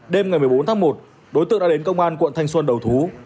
đêm ngày một mươi bốn tháng một đối tượng đã đến công an quận thanh xuân đầu thú